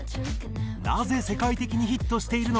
なぜ世界的にヒットしているのか？